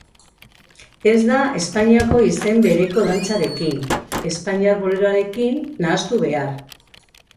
Ez da Espainiako izen bereko dantzarekin, espainiar boleroarekin, nahastu behar.